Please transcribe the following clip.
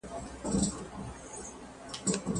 زه د کتابتون کتابونه نه لوستل کوم!